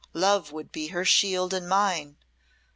Love would be her shield and mine.